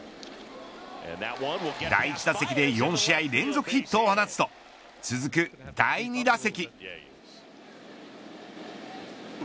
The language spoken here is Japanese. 第１打席で４試合連続ヒットを放つと続く第２打席。